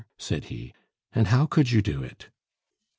said he. "And how could you do it?"